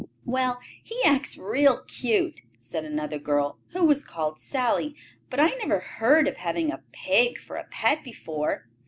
"Well, he acts real cute," said another girl, who was called Sallie, "but I never heard of having a pig for a pet before."